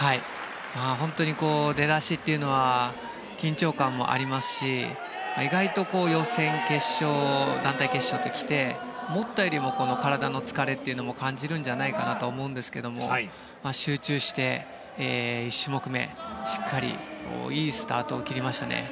本当に出だしというのは緊張感もありますし意外と予選、決勝団体決勝と来て思ったよりも体の疲れというのも感じるんじゃないかなと思うんですが集中して１種目目しっかりいいスタートを切りましたね。